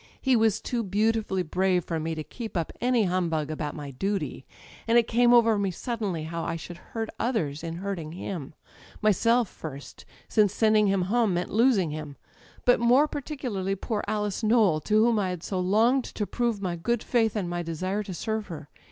''He was too beautifully brave for me to keep up any humbug about my duty. And it came over me sud denly how I should hurt others in hurting him: myself first, since sending him home meant losing him; but more particularly poor Alice Nowell, to whom I had so longed to prove my good faith and my desire to serve her.